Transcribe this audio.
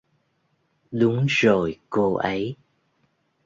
Đúng rồi cô ấy